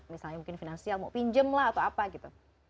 misalnya mungkin finansial mau pinjem lah atau apa gitu